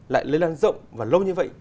lại lây lan rộng và lâu như vậy